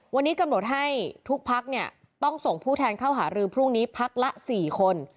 วันนี้กำหนดให้ทุกพักเนี่ยต้องส่งผู้แทนเข้าหารือพรุ่งนี้พักละ๔คน